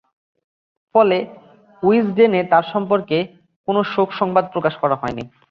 ফলে, উইজডেনে তাঁর সম্পর্কে কোন শোকসংবাদ প্রকাশ করা হয়নি।